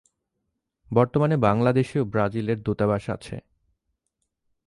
বর্তমানে বাংলাদেশেও ব্রাজিলের দূতাবাস আছে।